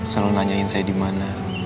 selalu nanyain saya dimana